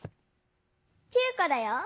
９こだよ。